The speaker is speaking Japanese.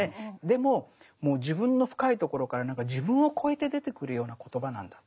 でももう自分の深いところからなんか自分を超えて出てくるような言葉なんだ。